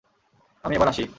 আমি এবার আসি।